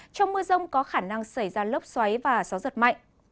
trong mưa rông có khả năng xảy ra lốc xoáy và gió giật mạnh